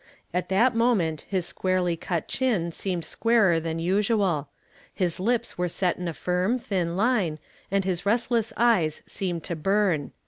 At that moment his squarely cut chin seemed squarer than usual ; his lips were set in a firm, thin line, and his restless eyes seemed to burn.